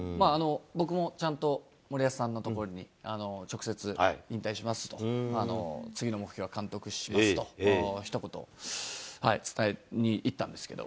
僕もちゃんと森保さんのところに直接、引退しますと、次の目標は監督しますと、ひと言伝えにいったんですけど。